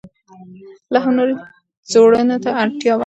لا هم نورو څېړنو ته اړتیا ده.